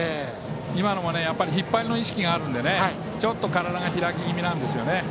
今のも引っ張りの意識があるのでちょっと体が開き気味ですね。